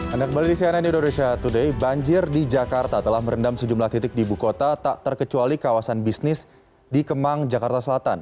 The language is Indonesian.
anda kembali di cnn indonesia today banjir di jakarta telah merendam sejumlah titik di ibu kota tak terkecuali kawasan bisnis di kemang jakarta selatan